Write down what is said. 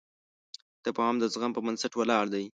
تفاهم د زغم په بنسټ ولاړ دی.